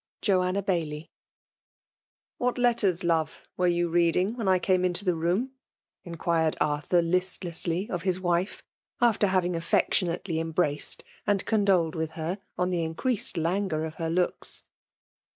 Joanna Baillib. *' What letters, love, were you reading when I came into the roomT' inquired Arthur, list lessly, of his wife, after having affectionately embraced and condoled with her on the in creased languor of her looks.